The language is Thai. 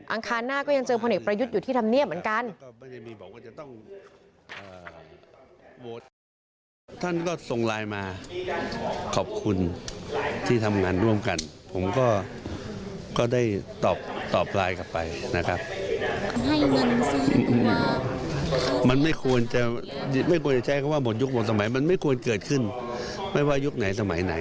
คารหน้าก็ยังเจอพลเอกประยุทธ์อยู่ที่ธรรมเนียบเหมือนกัน